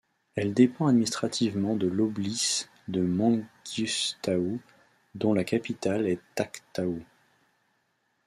Elle dépend administrativement de l'oblys de Manguistaou, dont la capitale est Aktaou.